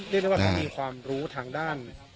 เรียกได้ว่าเขามีความรู้ทางด้านนะครับ